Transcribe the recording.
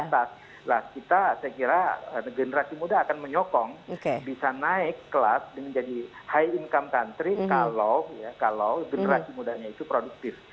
nah kita saya kira generasi muda akan menyokong bisa naik kelas dan menjadi high income country kalau generasi mudanya itu produktif